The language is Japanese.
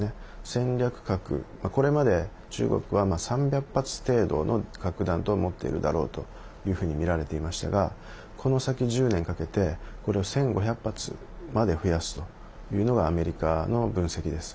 戦略核、これまで中国は３００発程度の核弾頭を持っているだろうというふうにみられていましたがこの先１０年かけてこれを１５００発まで増やすというのがアメリカの分析です。